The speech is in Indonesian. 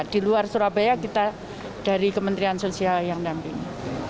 di luar surabaya kita dari kementerian sosial yang dampingi